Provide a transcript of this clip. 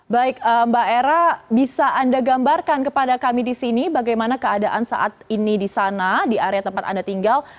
baik mbak era bisa anda gambarkan kepada kami di sini bagaimana keadaan saat ini di sana di area tempat anda tinggal